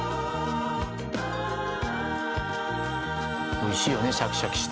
美味しいよねシャキシャキして。